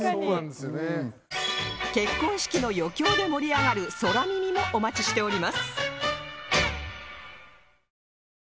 結婚式の余興で盛り上がる空耳もお待ちしております